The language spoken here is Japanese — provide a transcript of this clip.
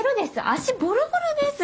足ボロボロです。